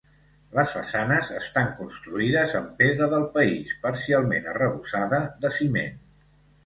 Les façanes estan construïdes amb pedra del país, parcialment arrebossada de ciment.